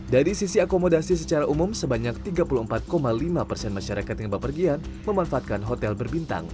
dari sisi akomodasi secara umum sebanyak tiga puluh empat lima persen masyarakat yang berpergian memanfaatkan hotel berbintang